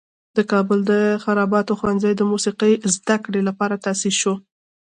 د کابل د خراباتو ښوونځی د موسیقي زده کړې لپاره تاسیس شو.